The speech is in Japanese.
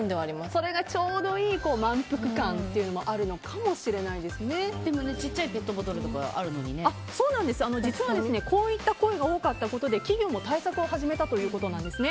それがちょうどいい満腹感というのはちっちゃいペットボトルとか実はこういった声が多かったことで、企業も対策を始めたということなんです。